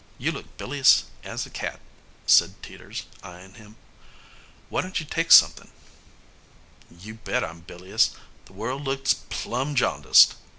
"You look bilious as a cat," said Teeters, eying him. "Why don't you take somethin'?" "You bet I'm bilious the world looks plumb ja'ndiced!"